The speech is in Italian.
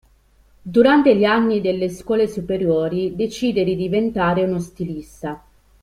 Durante gli anni delle scuole superiori decide di diventare uno stilista.